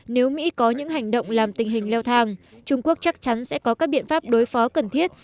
nếu mỹ có những hành động làm tình hình leo thang trung quốc chắc chắn sẽ có các biện pháp đối phó cần thiết